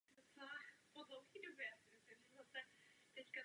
Nebuďte překvapeni, když vás přeruším.